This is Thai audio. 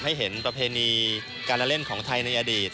ให้เห็นประเพณีการละเล่นของไทยในอดีต